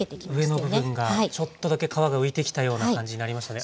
上の部分がちょっとだけ皮が浮いてきたような感じになりましたね。